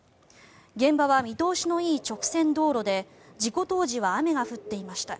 現場は見通しのいい直線道路で事故当時は雨が降っていました。